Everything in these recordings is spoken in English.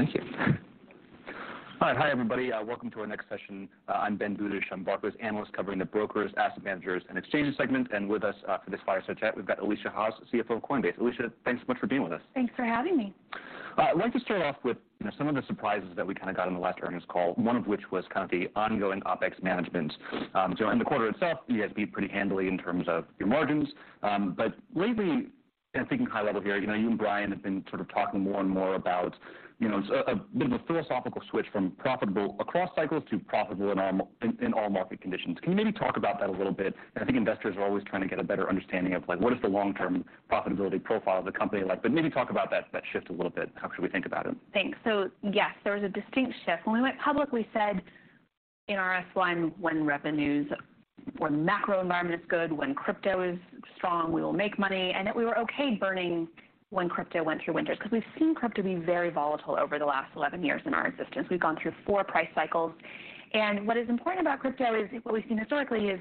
Oh, thank you. All right. Hi, everybody. Welcome to our next session. I'm Ben Budish. I'm Barclays analyst covering the brokers, asset managers, and exchanges segment. With us, for this fireside chat, we've got Alesia Haas, CFO of Coinbase. Alesia, thanks so much for being with us. Thanks for having me. I'd like to start off with, you know, some of the surprises that we kinda got on the last earnings call, one of which was kind of the ongoing OpEx management. So in the quarter itself, you guys beat pretty handily in terms of your margins. But lately, and thinking high level here, you know, you and Brian have been sort of talking more and more about, you know, a bit of a philosophical switch from profitable across cycles to profitable in all market conditions. Can you maybe talk about that a little bit? I think investors are always trying to get a better understanding of, like, what is the long-term profitability profile of the company like, but maybe talk about that shift a little bit. How should we think about it? Thanks. Yes, there was a distinct shift. When we went public, we said in RS-1 when revenues, when macro environment is good, when crypto is strong, we will make money, and that we were okay burning when crypto went through winters, 'cause we've seen crypto be very volatile over the last 11 years in our existence. We've gone through four price cycles. What is important about crypto is what we've seen historically is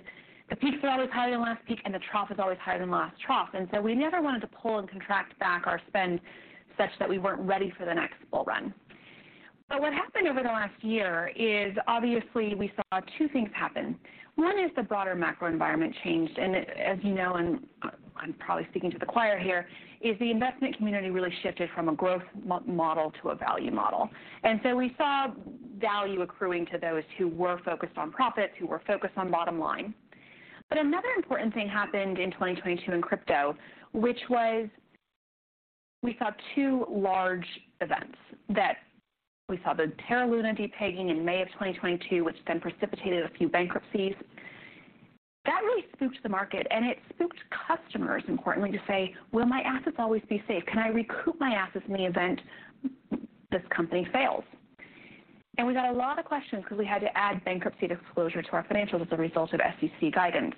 the peaks are always higher than last peak, and the trough is always higher than last trough. We never wanted to pull and contract back our spend such that we weren't ready for the next bull run. What happened over the last year is obviously we saw two things happen. 1 is the broader macro environment changed. As you know, I'm probably speaking to the choir here, is the investment community really shifted from a growth model to a value model. We saw value accruing to those who were focused on profits, who were focused on bottom line. Another important thing happened in 2022 in crypto, which was we saw two large events, the Terra Luna depegging in May of 2022, which then precipitated a few bankruptcies. That really spooked the market, and it spooked customers, importantly, to say, "Will my assets always be safe? Can I recoup my assets in the event this company fails?" We got a lot of questions 'cause we had to add bankruptcy disclosure to our financials as a result of SEC guidance.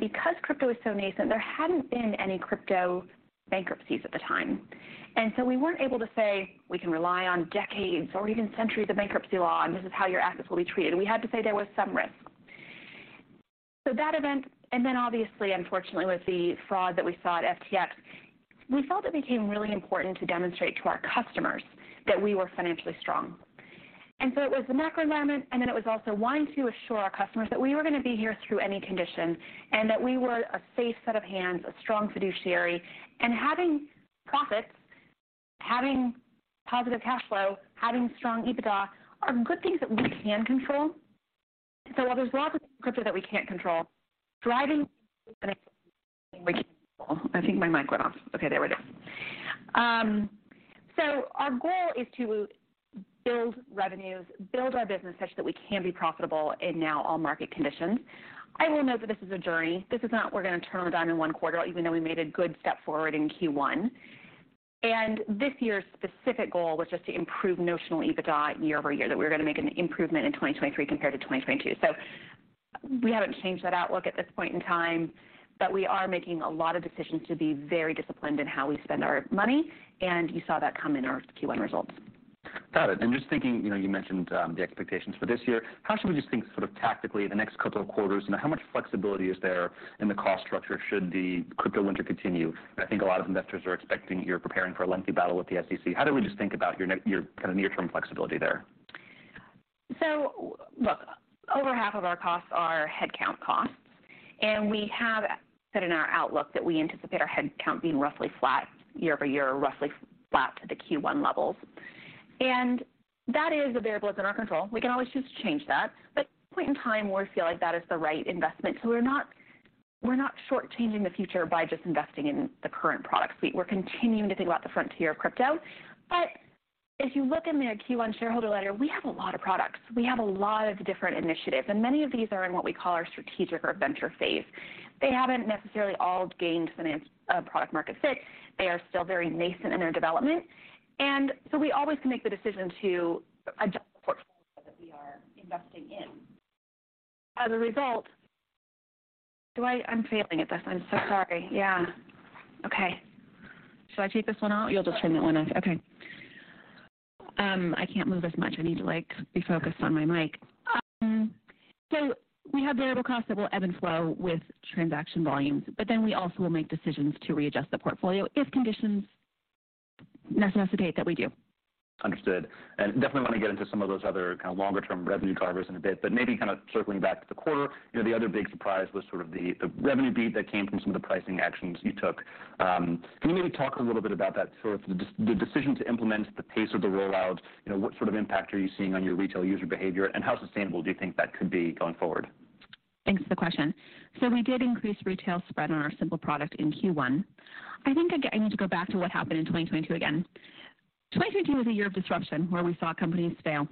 Because crypto is so nascent, there hadn't been any crypto bankruptcies at the time. We weren't able to say, we can rely on decades or even centuries of bankruptcy law, and this is how your assets will be treated. We had to say there was some risk. That event, and then obviously, unfortunately, with the fraud that we saw at FTX, we felt it became really important to demonstrate to our customers that we were financially strong. It was the macro environment, and then it was also wanting to assure our customers that we were gonna be here through any condition and that we were a safe set of hands, a strong fiduciary. Having profits, having positive cash flow, having strong EBITDA are good things that we can control. While there's a lot of crypto that we can't control, driving I think my mic went off. Okay, there we go. Our goal is to build revenues, build our business such that we can be profitable in now all market conditions. I will note that this is a journey. This is not we're gonna turn a dime in one quarter, even though we made a good step forward in Q1. This year's specific goal was just to improve notional EBITDA year-over-year, that we're gonna make an improvement in 2023 compared to 2022. We haven't changed that outlook at this point in time, but we are making a lot of decisions to be very disciplined in how we spend our money, and you saw that come in our Q1 results. Got it. Just thinking, you know, you mentioned the expectations for this year. How should we just think sort of tactically the next couple of quarters? You know, how much flexibility is there in the cost structure should the crypto winter continue? I think a lot of investors are expecting you're preparing for a lengthy battle with the SEC. How do we just think about your kinda near-term flexibility there? Look, over half of our costs are headcount costs, and we have said in our outlook that we anticipate our headcount being roughly flat year-over-year or roughly flat to the Q1 levels. That is a variable that's in our control. We can always choose to change that. At this point in time, we feel like that is the right investment. We're not short-changing the future by just investing in the current product suite. We're continuing to think about the frontier of crypto. If you look in the Q1 shareholder letter, we have a lot of products. We have a lot of different initiatives, and many of these are in what we call our strategic or venture phase. They haven't necessarily old gained finance product-market fit. They are still very nascent in their development. We always can make the decision to adjust the portfolio that we are investing in. As a result... Do I? I'm failing at this. I'm so sorry. Yeah. Okay. Shall I take this one off? You'll just turn that one off. Okay. I can't move as much. I need to, like, be focused on my mic. We have variable costs that will ebb and flow with transaction volumes, but then we also will make decisions to readjust the portfolio if conditions necessitate that we do. Understood. Definitely wanna get into some of those other kinda longer term revenue drivers in a bit. Maybe kinda circling back to the quarter, you know, the other big surprise was sort of the revenue beat that came from some of the pricing actions you took. Can you maybe talk a little bit about that, sort of the decision to implement the pace of the rollout? You know, what sort of impact are you seeing on your retail user behavior, and how sustainable do you think that could be going forward? Thanks for the question. We did increase retail spread on our Simple product in Q1. I think again, I need to go back to what happened in 2022 again. 2022 was a year of disruption where we saw companies fail,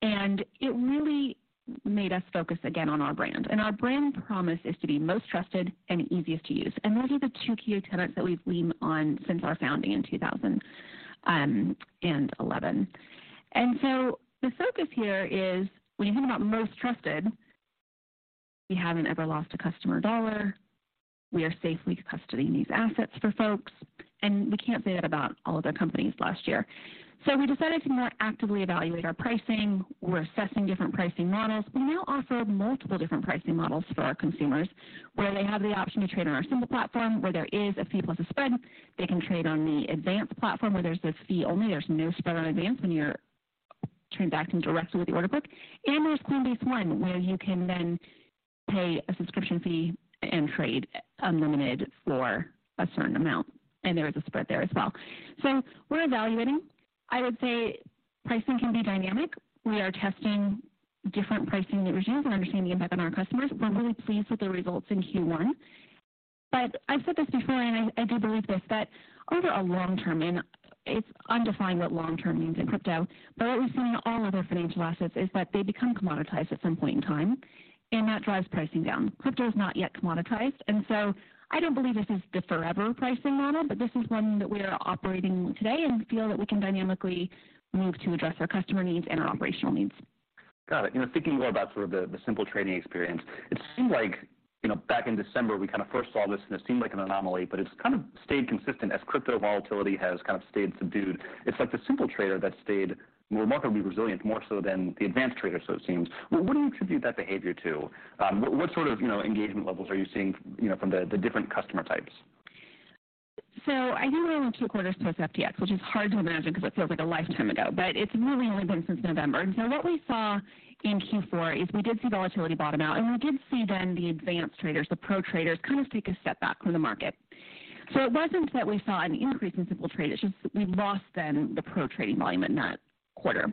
and it really made us focus again on our brand. Our brand promise is to be most trusted and easiest to use. Those are the two key tenets that we've leaned on since our founding in 2011. The focus here is when you think about most trusted, we haven't ever lost a customer dollar, we are safely custodying these assets for folks, and we can't say that about all of the companies last year. We decided to more actively evaluate our pricing. We're assessing different pricing models. We now offer multiple different pricing models for our consumers, where they have the option to trade on our Simple platform, where there is a fee plus a spread. They can trade on the Advanced platform where there's this fee only, there's no spread on Advanced when you're turned back in directly with the order book. There's Coinbase One, where you can then pay a subscription fee and trade unlimited for a certain amount. There is a spread there as well. We're evaluating. I would say pricing can be dynamic. We are testing different pricing regimes and understanding the impact on our customers. We're really pleased with the results in Q1. I've said this before, and I do believe this, that over a long term, and it's undefined what long term means in crypto, but what we've seen in all other financial assets is that they become commoditized at some point in time, and that drives pricing down. Crypto is not yet commoditized, and so I don't believe this is the forever pricing model, but this is one that we are operating today and feel that we can dynamically move to address our customer needs and our operational needs. Got it. You know, thinking more about sort of the Simple trading experience, it seemed like, you know, back in December, we kind of first saw this, and it seemed like an anomaly, but it's kind of stayed consistent as crypto volatility has kind of stayed subdued. It's like the Simple trader that stayed remarkably resilient, more so than the Advanced trader, so it seems. What do you attribute that behavior to? What sort of, you know, engagement levels are you seeing, you know, from the different customer types? I think we're only two quarters post FTX, which is hard to imagine because it feels like a lifetime ago, but it's really only been since November. What we saw in Q4 is we did see volatility bottom out, and we did see then the advanced traders, the pro traders kind of take a step back from the market. It wasn't that we saw an increase in simple trade, it's just we lost then the pro trading volume in that quarter.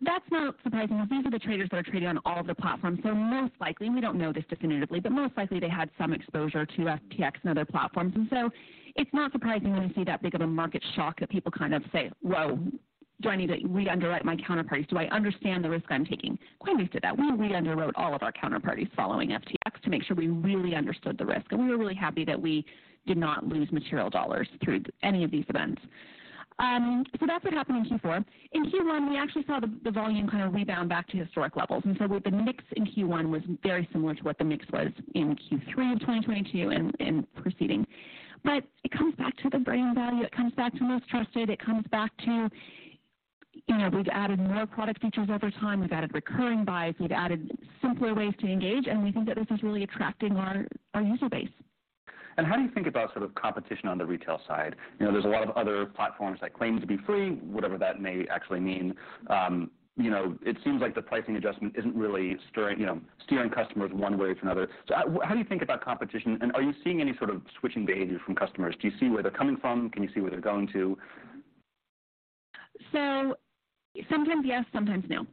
That's not surprising because these are the traders that are trading on all of the platforms. Most likely, we don't know this definitively, but most likely they had some exposure to FTX and other platforms. It's not surprising when you see that big of a market shock that people kind of say, "Whoa, do I need to re-underwrite my counterparties"? Do I understand the risk I'm taking?" Coinbase did that. We re-underwrote all of our counterparties following FTX to make sure we really understood the risk, and we were really happy that we did not lose material dollars through any of these events. That's what happened in Q4. In Q1, we actually saw the volume kind of rebound back to historic levels, the mix in Q1 was very similar to what the mix was in Q3 of 2022 and proceeding. It comes back to the brand value, it comes back to most trusted, it comes back to, you know, we've added more product features over time. We've added recurring buys, we've added simpler ways to engage, we think that this is really attracting our user base. How do you think about sort of competition on the retail side? You know, there's a lot of other platforms that claim to be free, whatever that may actually mean. You know, it seems like the pricing adjustment isn't really stirring, you know, steering customers one way or another. How do you think about competition, and are you seeing any sort of switching behavior from customers? Do you see where they're coming from? Can you see where they're going to? Sometimes yes, sometimes no.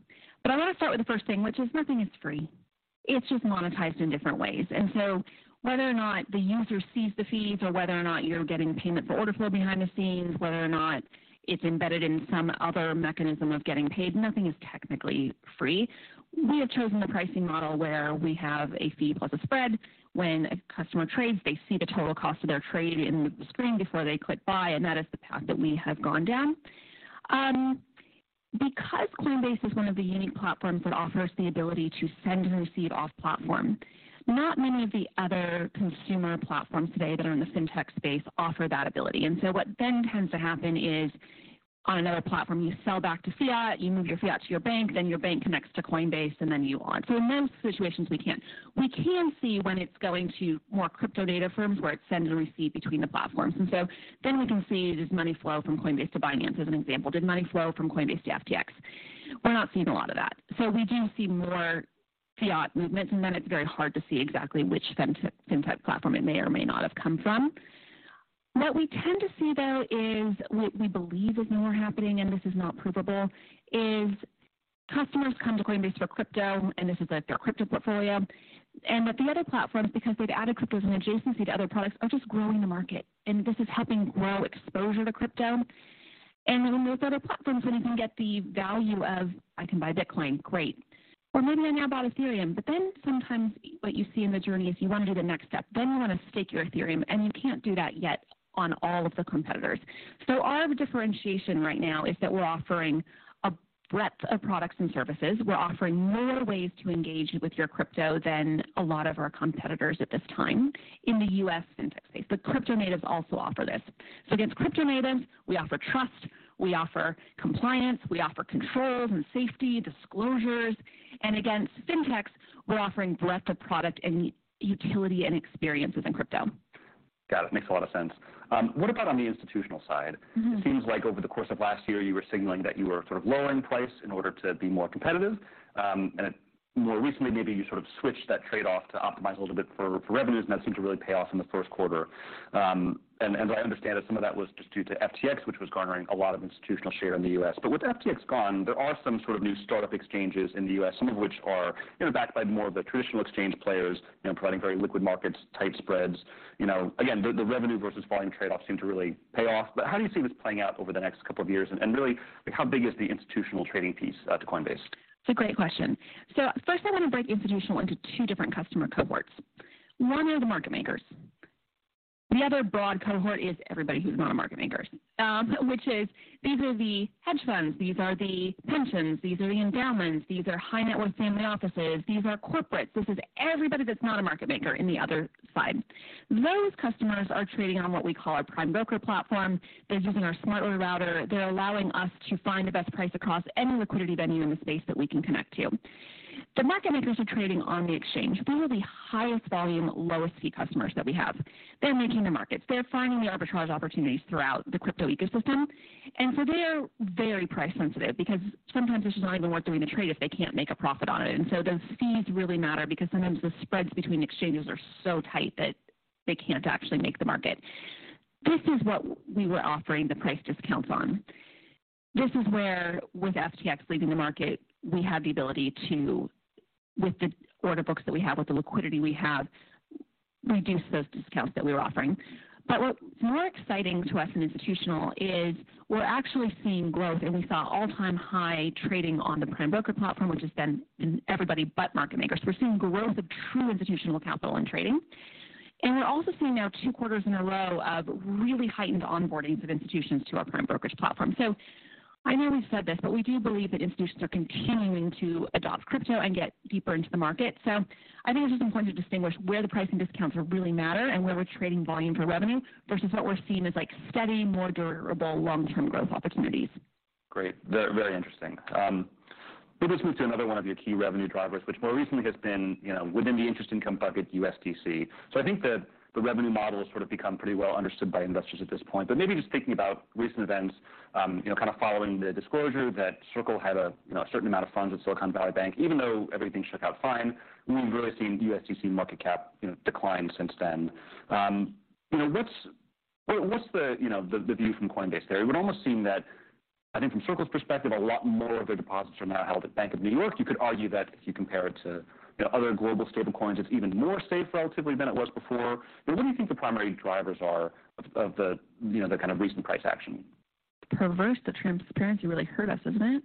I want to start with the first thing, which is nothing is free. It's just monetized in different ways. Whether or not the user sees the fees or whether or not you're getting payment for order flow behind the scenes, whether or not it's embedded in some other mechanism of getting paid, nothing is technically free. We have chosen the pricing model where we have a fee plus a spread. When a customer trades, they see the total cost of their trade in the screen before they click buy, That is the path that we have gone down. Because Coinbase is one of the unique platforms that offers the ability to send and receive off platform, not many of the other consumer platforms today that are in the FinTech space offer that ability. What then tends to happen is on another platform, you sell back to fiat, you move your fiat to your bank, then your bank connects to Coinbase, and then you on. In most situations, we can't. We can see when it's going to more crypto data firms where it sends and receive between the platforms. We can see does money flow from Coinbase to Binance, as an example. Did money flow from Coinbase to FTX? We're not seeing a lot of that. We do see more fiat movements, and then it's very hard to see exactly which Fintech platform it may or may not have come from. What we tend to see, though, is what we believe is more happening, and this is not provable, is customers come to Coinbase for crypto, and this is like their crypto portfolio. That the other platforms, because they've added cryptos and adjacency to other products, are just growing the market, and this is helping grow exposure to crypto. With other platforms, when you can get the value of, I can buy Bitcoin, great. Maybe I now buy Ethereum. Sometimes what you see in the journey is you want to do the next step. You want to stake your Ethereum, and you can't do that yet on all of the competitors. Our differentiation right now is that we're offering a breadth of products and services. We're offering more ways to engage with your crypto than a lot of our competitors at this time in the U.S. Fintech space. Crypto natives also offer this. Against crypto natives, we offer trust, we offer compliance, we offer controls and safety, disclosures, and against Fintechs, we're offering breadth of product and utility and experiences in crypto. Got it. Makes a lot of sense. What about on the institutional side? Mm-hmm. It seems like over the course of last year, you were signaling that you were sort of lowering price in order to be more competitive. More recently, maybe you sort of switched that trade-off to optimize a little bit for revenues, and that seemed to really pay off in the first quarter. I understand that some of that was just due to FTX, which was garnering a lot of institutional share in the U.S. With FTX gone, there are some sort of new startup exchanges in the U.S., some of which are, you know, backed by more of the traditional exchange players, you know, providing very liquid markets, tight spreads. You know, again, the revenue versus volume trade-off seemed to really pay off. How do you see this playing out over the next couple of years? And really, like, how big is the institutional trading piece to Coinbase? It's a great question. First I want to break institutional into two different customer cohorts. One are the market makers. The other broad cohort is everybody who's not a market makers, which is these are the hedge funds, these are the pensions, these are the endowments, these are high-net-worth family offices, these are corporates. This is everybody that's not a market maker in the other side. Those customers are trading on what we call our Prime broker platform. They're using our smart order router. They're allowing us to find the best price across any liquidity venue in the space that we can connect to. The market makers are trading on the exchange. They are the highest volume, lowest fee customers that we have. They're making the markets, they're finding the arbitrage opportunities throughout the crypto ecosystem. They are very price sensitive because sometimes it's just not even worth doing the trade if they can't make a profit on it. Those fees really matter because sometimes the spreads between exchanges are so tight that they can't actually make the market. This is what we were offering the price discounts on. This is where with FTX leaving the market, we have the ability to, with the order books that we have, with the liquidity we have, reduce those discounts that we were offering. What's more exciting to us in institutional is we're actually seeing growth, and we saw all-time high trading on the prime broker platform, which has been in everybody but market makers. We're seeing growth of true institutional capital and trading. We're also seeing now two quarters in a row of really heightened onboardings of institutions to our prime brokerage platform. I know we've said this, but we do believe that institutions are continuing to adopt crypto and get deeper into the market. I think it's just important to distinguish where the pricing discounts really matter and where we're trading volume for revenue versus what we're seeing as, like, steady, more durable long-term growth opportunities. Great. very interesting. maybe just move to another one of your key revenue drivers, which more recently has been, you know, within the interest income bucket, USDC. I think the revenue model has sort of become pretty well understood by investors at this point, but maybe just thinking about recent events, you know, kind of following the disclosure that Circle had a, you know, a certain amount of funds at Silicon Valley Bank, even though everything shook out fine, we've really seen USDC market cap, you know, decline since then. what's the view from Coinbase there? It would almost seem that, I think from Circle's perspective, a lot more of their deposits are now held at Bank of New York. You could argue that if you compare it to, you know, other global stablecoins, it's even more safe relatively than it was before. You know, what do you think the primary drivers are of the, you know, the kind of recent price action? Perverse, the transparency really hurt us, isn't it?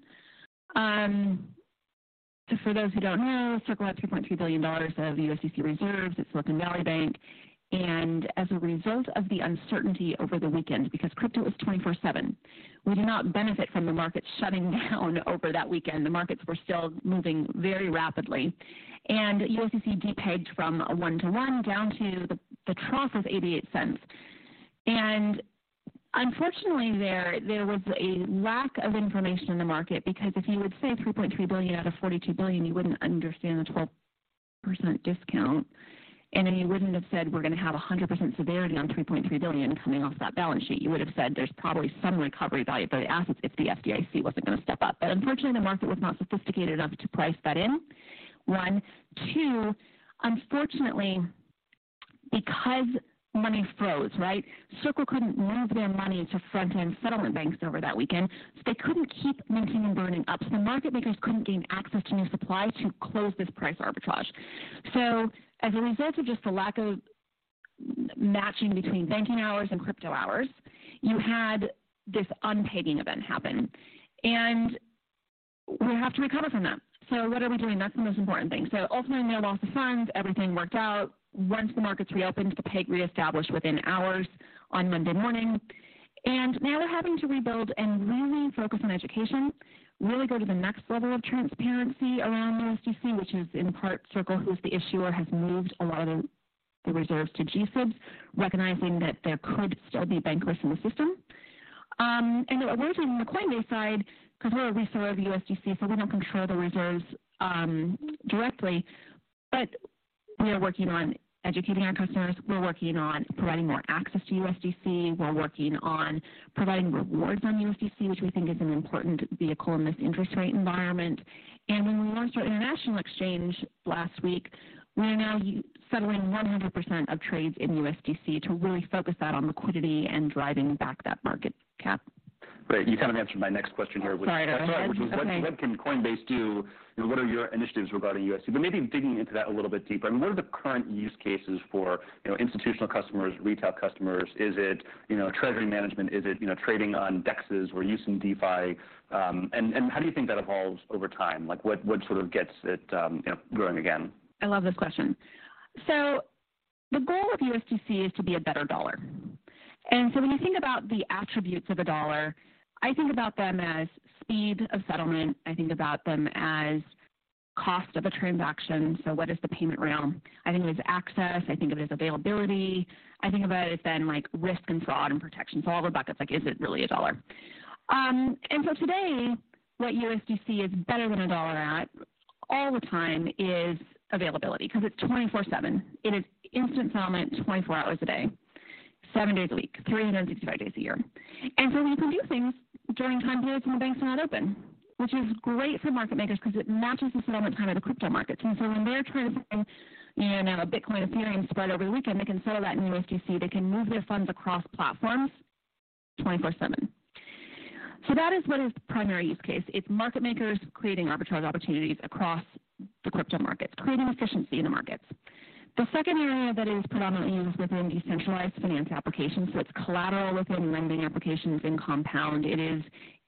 Just for those who don't know, Circle had $3.3 billion of USDC reserves at Silicon Valley Bank. As a result of the uncertainty over the weekend, because crypto is 24/7, we do not benefit from the market shutting down over that weekend, the markets were still moving very rapidly. USDC depegged from a 1 to 1 down to the trough of $0.88. Unfortunately, there was a lack of information in the market because if you would say $3.3 billion out of $42 billion, you wouldn't understand the 12% discount. You wouldn't have said, "We're gonna have 100% severity on $3.3 billion coming off that balance sheet. You would have said, "There's probably some recovery value of the assets if the FDIC wasn't gonna step up." Unfortunately, the market was not sophisticated enough to price that in, one. Two, unfortunately, because money froze, right? Circle couldn't move their money to front end settlement banks over that weekend, so they couldn't keep minting and burning up. The market makers couldn't gain access to new supply to close this price arbitrage. As a result of just the lack of matching between banking hours and crypto hours, you had this unpegging event happen, and we have to recover from that. What are we doing? That's the most important thing. Ultimately, no loss of funds, everything worked out. Once the markets reopened, the peg reestablished within hours on Monday morning. Now we're having to rebuild and really focus on education, really go to the next level of transparency around USDC, which is in part Circle, who's the issuer, has moved a lot of the reserves to GSIB, recognizing that there could still be bank risk in the system. Then on the Coinbase side, 'cause we're a reserve USDC, so we don't control the reserves directly, but we are working on educating our customers. We're working on providing more access to USDC. We're working on providing rewards on USDC, which we think is an important vehicle in this interest rate environment. When we launched our international exchange last week, we are now settling 100% of trades in USDC to really focus that on liquidity and driving back that market cap. Great. You kind of answered my next question here, which- Sorry. Go ahead. That's all right. Which was what can Coinbase do? You know, what are your initiatives regarding USDC? Maybe digging into that a little bit deeper. I mean, what are the current use cases for, you know, institutional customers, retail customers? Is it, you know, treasury management? Is it, you know, trading on DEXs or using DeFi? And how do you think that evolves over time? Like, what sort of gets it, you know, growing again? I love this question. The goal of USDC is to be a better dollar. When you think about the attributes of a dollar, I think about them as speed of settlement. I think about them as cost of a transaction. What is the payment rail? I think of as access, I think of it as availability. I think about it then, like, risk and fraud and protection. All the buckets, like, is it really a dollar? Today, what USDC is better than a dollar at all the time is availability, 'cause it's 24/7. It is instant settlement, 24 hours a day, 7 days a week, 365 days a year. You can do things during time periods when the banks are not open, which is great for market makers 'cause it matches the settlement time of the crypto markets. When they're trying to bring, you know, a Bitcoin Ethereum spread over the weekend, they can settle that in USDC. They can move their funds across platforms 24/7. That is what is the primary use case. It's market makers creating arbitrage opportunities across the crypto markets, creating efficiency in the markets. The second area that is predominantly used within decentralized finance applications, so it's collateral within lending applications in Compound. It is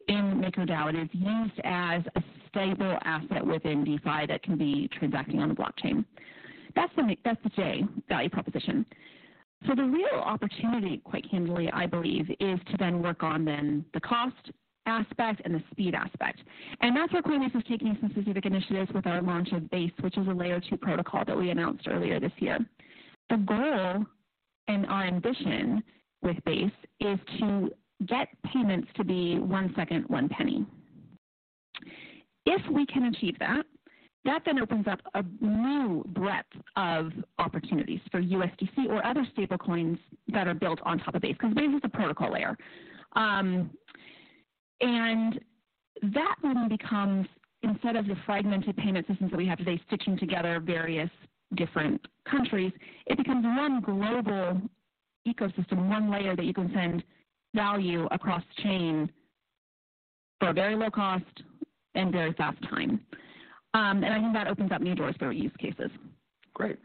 in MakerDAO, and it's used as a stable asset within DeFi that can be transacting on the blockchain. That's today value proposition. The real opportunity, quite candidly, I believe, is to then work on the cost aspect and the speed aspect. That's where Coinbase is taking some specific initiatives with our launch of Base, which is a layer two protocol that we announced earlier this year. Our ambition with Base is to get payments to be 1 second, 1 penny. If we can achieve that then opens up a new breadth of opportunities for USDC or other stablecoins that are built on top of Base, 'cause Base is a protocol layer. That then becomes, instead of the fragmented payment systems that we have today, stitching together various different countries, it becomes one global ecosystem, one layer that you can send value across chain for a very low cost and very fast time. I think that opens up new doors for use cases. Great.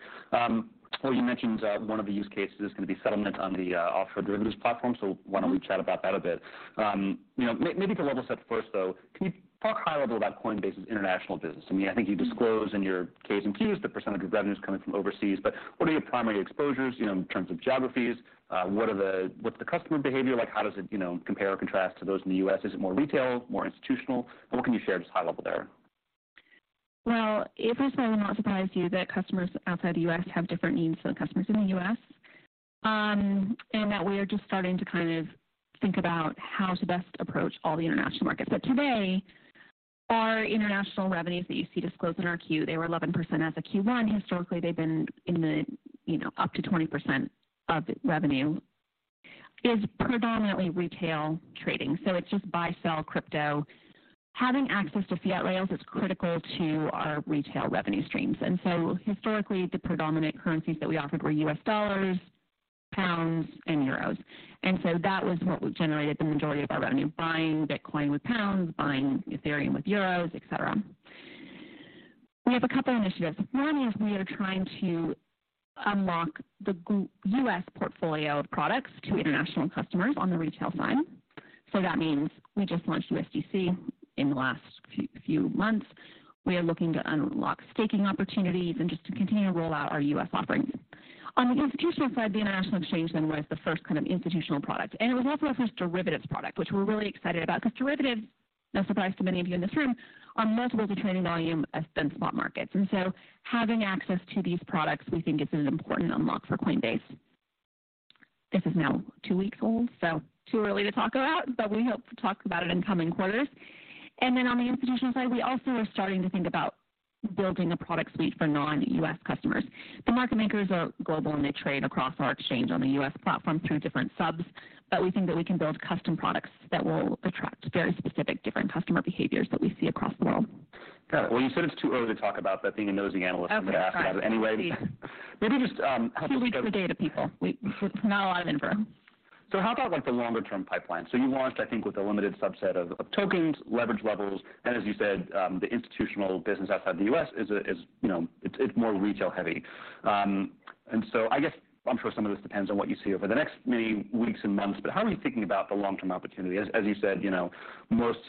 Well, you mentioned one of the use cases is gonna be settlement on the offshore derivatives platform. Why don't we chat about that a bit? You know, maybe to level set first, though, can you talk high level about Coinbase's international business? I mean, I think you disclose in your K's and Q's the percentage of revenues coming from overseas, but what are your primary exposures, you know, in terms of geographies? What's the customer behavior like? How does it, you know, compare or contrast to those in the U.S.? Is it more retail, more institutional? What can you share just high level there? Well, it probably will not surprise you that customers outside the U.S. have different needs than customers in the U.S. That we are just starting to kind of think about how to best approach all the international markets. Today, our international revenues that you see disclosed in our Q, they were 11% as a Q1 historically, they've been in the, you know, up to 20% of revenue, is predominantly retail trading, so it's just buy sell crypto. Having access to fiat rails is critical to our retail revenue streams. Historically, the predominant currencies that we offered were U.S. dollars, pounds, and euros. That was what generated the majority of our revenue, buying Bitcoin with pounds, buying Ethereum with euros, et cetera. We have a couple initiatives. One is we are trying to unlock the G- US portfolio of products to international customers on the retail side. That means we just launched USDC in the last few months. We are looking to unlock staking opportunities and just to continue to roll out our US offerings. On the institutional side, the international exchange then was the first kind of institutional product, and it was also our first derivatives product, which we're really excited about because derivatives, no surprise to many of you in this room, are multiples of trading volume as than spot markets. Having access to these products, we think is an important unlock for Coinbase. This is now two weeks old, so too early to talk about, but we hope to talk about it in coming quarters. On the institutional side, we also are starting to think about building a product suite for non-U.S. customers. The market makers are global, and they trade across our exchange on the U.S. platform through different subs. We think that we can build custom products that will attract very specific different customer behaviors that we see across the world. Got it. Well, you said it's too early to talk about, but being a nosy analyst- Okay, fine. I'm gonna ask about it anyway. Please. Maybe just. Two weeks of data, people. Not a lot of info. How about, like, the longer term pipeline? You launched, I think, with a limited subset of tokens, leverage levels, and as you said, the institutional business outside the U.S. is a, you know, it's more retail heavy. I guess I'm sure some of this depends on what you see over the next many weeks and months, but how are you thinking about the long-term opportunity? As you said, you know, most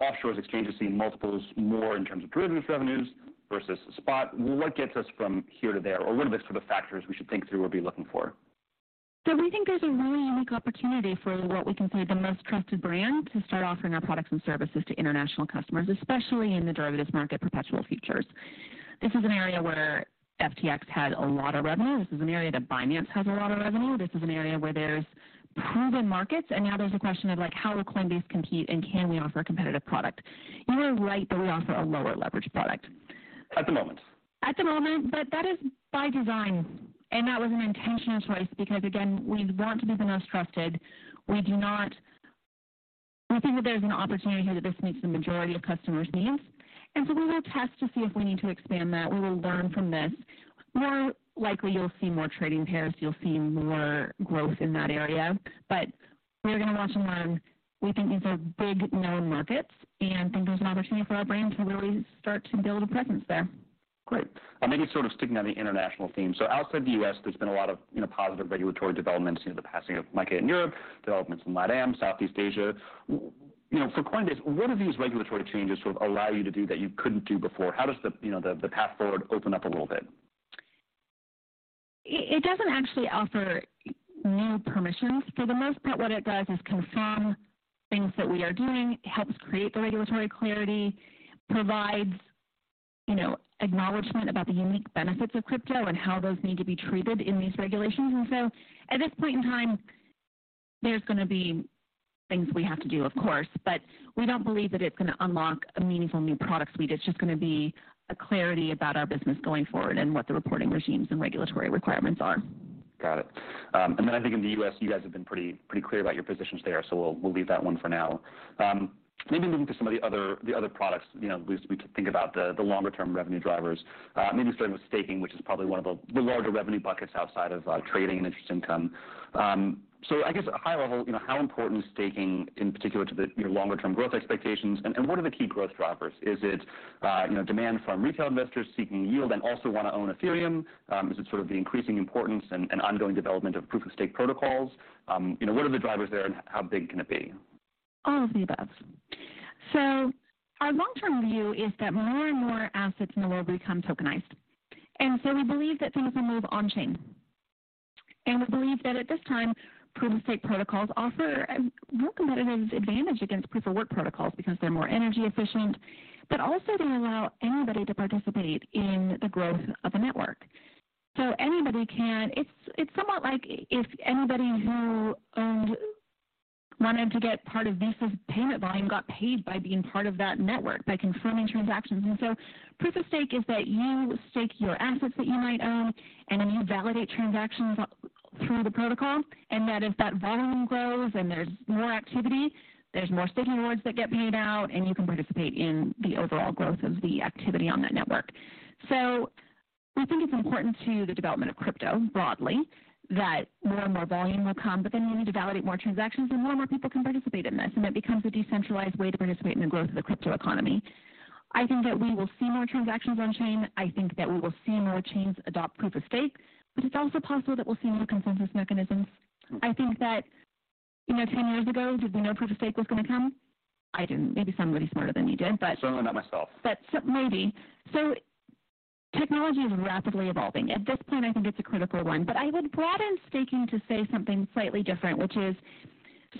offshore exchanges seeing multiples more in terms of derivatives revenues versus spot. What gets us from here to there? What are the sort of factors we should think through or be looking for? We think there's a really unique opportunity for what we consider the most trusted brand to start offering our products and services to international customers, especially in the derivatives market, perpetual futures. This is an area where FTX had a lot of revenue. This is an area that Binance has a lot of revenue. This is an area where there's proven markets, and now there's a question of like, how will Coinbase compete and can we offer a competitive product? You are right that we offer a lower leverage product. At the moment. At the moment, but that is by design, and that was an intentional choice because, again, we want to be the most trusted. We do not... We think that there's an opportunity here that this meets the majority of customers' needs. So we will test to see if we need to expand that. We will learn from this. More likely you'll see more trading pairs, you'll see more growth in that area. We are gonna watch and learn. We think these are big, known markets, and think there's an opportunity for our brand to really start to build a presence there. Great. Maybe sort of sticking on the international theme. Outside the U.S., there's been a lot of, you know, positive regulatory developments, you know, the passing of MiCA in Europe, developments in LATAM, Southeast Asia. You know, for Coinbase, what do these regulatory changes sort of allow you to do that you couldn't do before? How does the, you know, the path forward open up a little bit? It doesn't actually offer new permissions. For the most part, what it does is confirm things that we are doing. It helps create the regulatory clarity, provides, you know, acknowledgement about the unique benefits of crypto and how those need to be treated in these regulations. At this point in time, there's gonna be things we have to do, of course, but we don't believe that it's gonna unlock a meaningful new product suite. It's just gonna be a clarity about our business going forward and what the reporting regimes and regulatory requirements are. Got it. Then I think in the U.S., you guys have been pretty clear about your positions there, so we'll leave that one for now. Maybe moving to some of the other products. You know, at least we can think about the longer term revenue drivers. Maybe starting with staking, which is probably one of the larger revenue buckets outside of trading and interest income. I guess at high level, you know, how important is staking in particular to the, your longer term growth expectations? What are the key growth drivers? Is it, you know, demand from retail investors seeking yield and also wanna own Ethereum? Is it sort of the increasing importance and ongoing development of proof-of-stake protocols? You know, what are the drivers there, and how big can it be? All of the above. Our long-term view is that more and more assets in the world become tokenized. We believe that things will move on-chain. We believe that at this time, proof-of-stake protocols offer a more competitive advantage against proof-of-work protocols because they're more energy efficient. Also they allow anybody to participate in the growth of a network. Anybody can. It's somewhat like if anybody who wanted to get part of Visa's payment volume, got paid by being part of that network, by confirming transactions. Proof of stake is that you stake your assets that you might own, and then you validate transactions through the protocol. As that volume grows and there's more activity, there's more staking rewards that get paid out, and you can participate in the overall growth of the activity on that network. We think it's important to the development of crypto broadly, that more and more volume will come, but then you need to validate more transactions, and more and more people can participate in this, and it becomes a decentralized way to participate in the growth of the crypto economy. I think that we will see more transactions on-chain. I think that we will see more chains adopt proof-of-stake. It's also possible that we'll see more consensus mechanisms. I think that, you know, 10 years ago, did we know proof-of-stake was gonna come? I didn't. Maybe somebody smarter than me did. Certainly not myself. Maybe. Technology is rapidly evolving. At this point, I think it's a critical one. I would broaden staking to say something slightly different, which is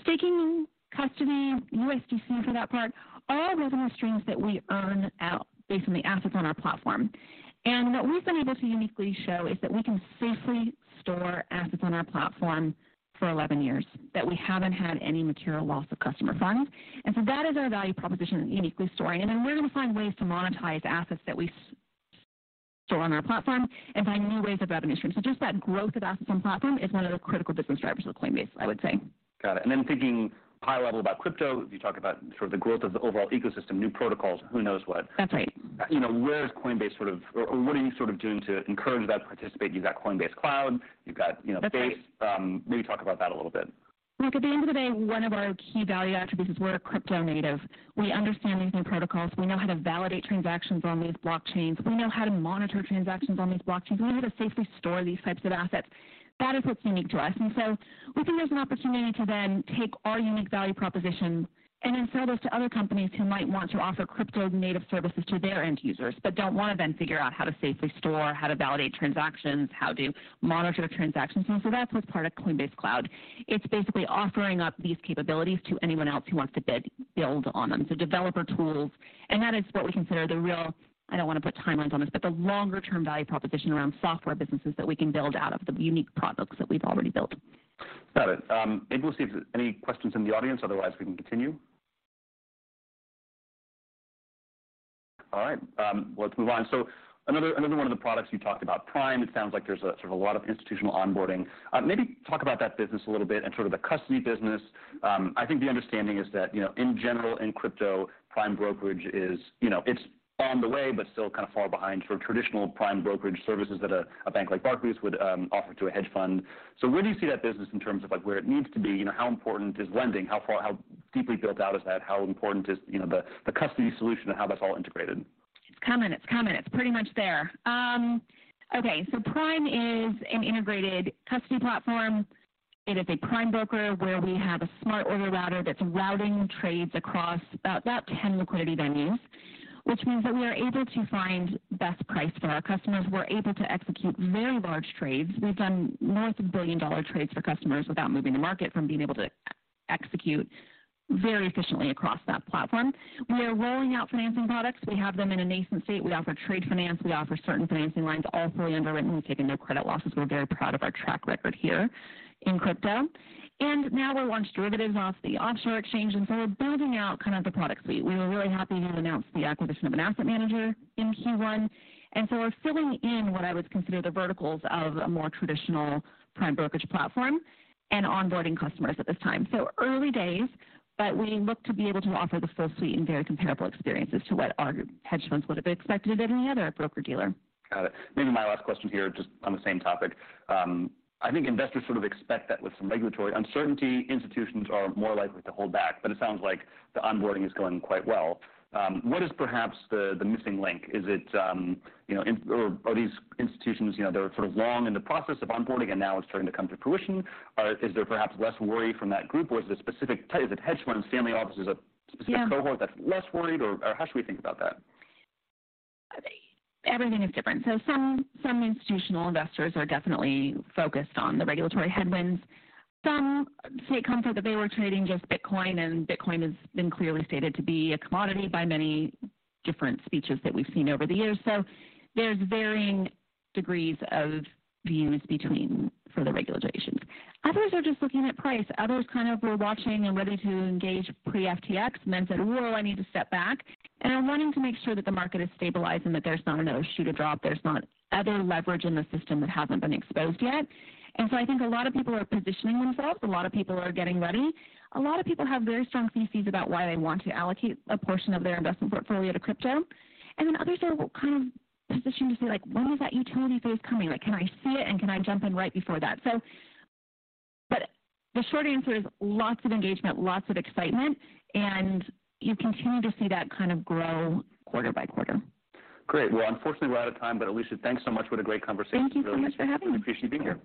staking custody, USDC for that part, all revenue streams that we earn out based on the assets on our platform. What we've been able to uniquely show is that we can safely store assets on our platform for 11 years, that we haven't had any material loss of customer funds. That is our value proposition, uniquely storing. Then we're gonna find ways to monetize assets that we store on our platform and find new ways of revenue stream. Just that growth of assets on platform is one of the critical business drivers of Coinbase, I would say. Got it. Then thinking high level about crypto, you talk about sort of the growth of the overall ecosystem, new protocols, who knows what. That's right. You know, where is Coinbase or what are you sort of doing to encourage that participation? You've got Coinbase Cloud, you've got, you know, Base. That's right. maybe talk about that a little bit. Look, at the end of the day, one of our key value attributes is we're a crypto native. We understand these new protocols. We know how to validate transactions on these blockchains. We know how to monitor transactions on these blockchains. We know how to safely store these types of assets. That is what's unique to us. We think there's an opportunity to then take our unique value proposition and then sell those to other companies who might want to offer crypto native services to their end users, but don't wanna then figure out how to safely store, how to validate transactions, how to monitor transactions. That's what's part of Coinbase Cloud. It's basically offering up these capabilities to anyone else who wants to build on them, so developer tools. That is what we consider the real, I don't wanna put timelines on this, but the longer term value proposition around software businesses that we can build out of the unique products that we've already built. Got it. Maybe we'll see if any questions in the audience, otherwise we can continue. All right, let's move on. Another one of the products you talked about, Coinbase Prime, it sounds like there's sort of a lot of institutional onboarding. Maybe talk about that business a little bit and sort of the custody business. I think the understanding is that, you know, in general in crypto, prime brokerage is, you know, it's on the way, but still kind of fall behind sort of traditional prime brokerage services that a bank like Barclays would offer to a hedge fund. Where do you see that business in terms of, like, where it needs to be? You know, how important is lending? How deeply built out is that? How important is, you know, the custody solution and how that's all integrated? It's coming. It's coming. It's pretty much there. Okay, Prime is an integrated custody platform. It is a prime broker where we have a smart order router that's routing trades across about 10 liquidity venues, which means that we are able to find best price for our customers. We're able to execute very large trades. We've done north of billion-dollar trades for customers without moving the market from being able to execute very efficiently across that platform. We are rolling out financing products. We have them in a nascent state. We offer trade finance, we offer certain financing lines, all fully underwritten. We've taken no credit losses. We're very proud of our track record here in crypto. Now we've launched derivatives off the offshore exchange, and so we're building out kind of the product suite. We were really happy we announced the acquisition of an asset manager in Q1. We're filling in what I would consider the verticals of a more traditional prime brokerage platform and onboarding customers at this time. Early days, but we look to be able to offer the full suite and very comparable experiences to what our hedge funds would have expected of any other broker-dealer. Got it. Maybe my last question here, just on the same topic. I think investors sort of expect that with some regulatory uncertainty, institutions are more likely to hold back, but it sounds like the onboarding is going quite well. What is perhaps the missing link? Is it, you know, or are these institutions, you know, they're sort of long in the process of onboarding and now it's starting to come to fruition? Is there perhaps less worry from that group or is it a specific type? Is it hedge funds, family offices, a specific-? Yeah. cohort that's less worried or how should we think about that? Everything is different. Some institutional investors are definitely focused on the regulatory headwinds. Some take comfort that they were trading just Bitcoin, and Bitcoin has been clearly stated to be a commodity by many different speeches that we've seen over the years. There's varying degrees of views between for the regulations. Others are just looking at price. Others kind of were watching and ready to engage pre-FTX, and then said, "Whoa, I need to step back," and are wanting to make sure that the market is stabilized and that there's not another shoe to drop, there's not other leverage in the system that hasn't been exposed yet. I think a lot of people are positioning themselves, a lot of people are getting ready. A lot of people have very strong theses about why they want to allocate a portion of their investment portfolio to crypto. Others are kind of positioned to say, like, "When is that utility phase coming? Like, can I see it and can I jump in right before that?" The short answer is lots of engagement, lots of excitement, and you continue to see that kind of grow quarter by quarter. Great. Unfortunately, we're out of time, but Alesia, thanks so much. What a great conversation. Thank you so much for having me. Really appreciate you being here.